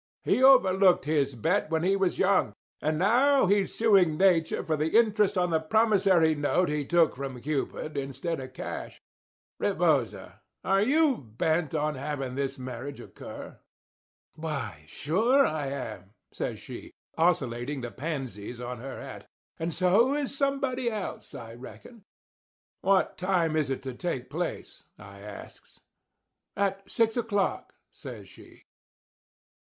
He overlooked his bet when he was young; and now he's suing Nature for the interest on the promissory note he took from Cupid instead of the cash. Rebosa, are you bent on having this marriage occur?" "Why, sure I am," says she, oscillating the pansies on her hat, "and so is somebody else, I reckon." "What time is it to take place?" I asks. "At six o'clock," says she.